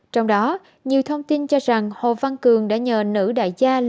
trong đó nhiều thông tin cho rằng hồ văn cường đã nhờ nữ đại gia